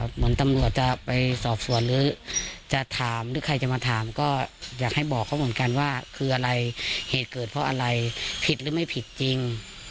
เหมือนตำรวจจะไปสอบสวนหรือจะถามหรือใครจะมาถามก็อยากให้บอกเขาเหมือนกันว่าคืออะไรเหตุเกิดเพราะอะไรผิดหรือไม่ผิดจริง